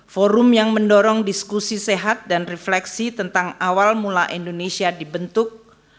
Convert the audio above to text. forum yang mendorong diskusi sehat dan refleksi tentang awal mula indonesia dibentuk